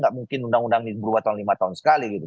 gak mungkin undang undang ini berubah tahun lima tahun sekali gitu